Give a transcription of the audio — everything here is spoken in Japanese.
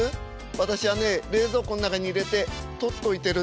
私はね冷蔵庫の中に入れて取っといてるんです。